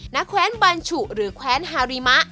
นักแค้นบัญชุหรือแค้นหาริมะ